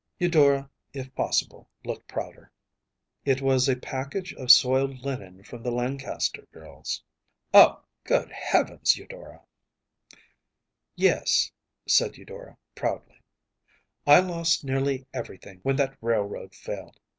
‚ÄĚ Eudora, if possible, looked prouder. “It was a package of soiled linen from the Lancaster girls.‚ÄĚ “Oh, good heavens, Eudora!‚ÄĚ ‚ÄúYes,‚ÄĚ said Eudora, proudly. “I lost nearly everything when that railroad failed.